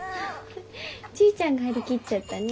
ちぃちゃんが張り切っちゃったね。